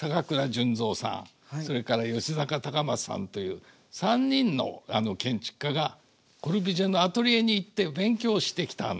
それから吉阪隆正さんという３人の建築家がコルビュジエのアトリエに行って勉強してきたんです。